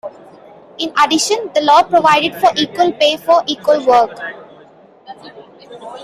In addition, the law provided for equal pay for equal work.